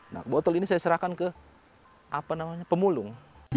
nah botol ini saya serahkan ke pemulung